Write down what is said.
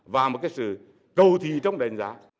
và một cái sự cầu thị trong đánh giá